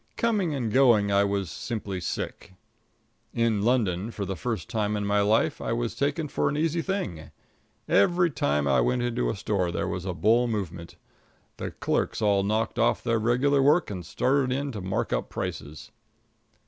Coming and going I was simply sick. In London, for the first time in my life, I was taken for an easy thing. Every time I went into a store there was a bull movement. The clerks all knocked off their regular work and started in to mark up prices.